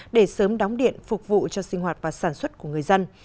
để sớm đóng điện phục vụ cho sinh hoạt và sản xuất của người dân